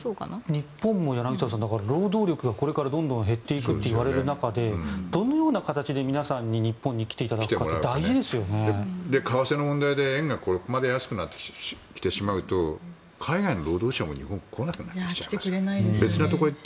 日本も柳澤さん労働力がこれからどんどん減っていくといわれる中でどのような形で皆さんに日本に来ていただくかって為替の問題で円がここまで安くなってきてしまうと海外の労働者も日本に来なくなっちゃって。